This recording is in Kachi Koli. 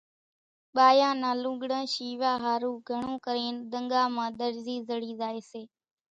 ٻايان نان لوڳڙان شيويا ۿارُو گھڻون ڪرين ۮنڳا مان ۮرزي زڙي زائي سي